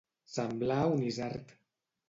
Semblar un isard.